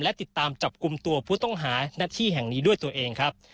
และติดตามจับกลุ่มตัวผู้ต้องหาหน้าที่แห่งนี้ด้วยตัวเองครับ